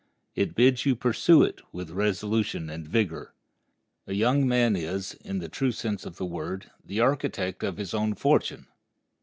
It bids you pursue it with resolution and vigor. A young man is, in the true sense of the word, the architect of his own fortune.